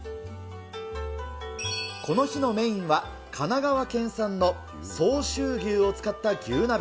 この日のメインは神奈川県産の相州牛を使った牛鍋。